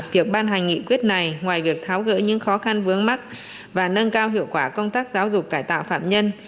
việc ban hành nghị quyết này ngoài việc tháo gỡ những khó khăn vướng mắt và nâng cao hiệu quả công tác giáo dục cải tạo phạm nhân